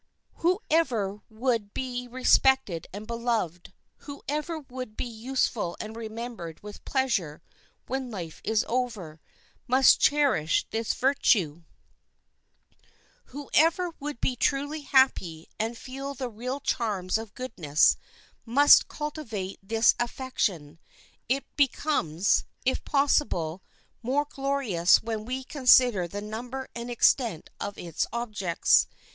Whoever would be respected and beloved; whoever would be useful and remembered with pleasure when life is over, must cherish this virtue. Whoever would be truly happy and feel the real charms of goodness must cultivate this affection. It becomes, if possible, more glorious when we consider the number and extent of its objects.